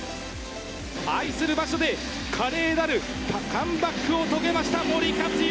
愛する場所で華麗なるカムバックを遂げました森且行！